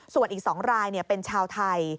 ส่วนอีก๒รายเป็นชาวไทย